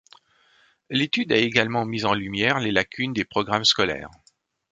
L'étude a également mis en lumière les lacunes des programmes scolaires.